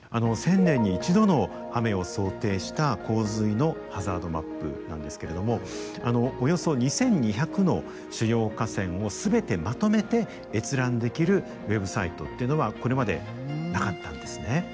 １０００年に１度の雨を想定した洪水のハザードマップなんですけれどもおよそ２，２００の主要河川を全てまとめて閲覧できるウェブサイトっていうのはこれまでなかったんですね。